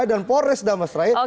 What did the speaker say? dan polres damasraya